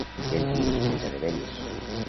Llenties? Menjar de velles.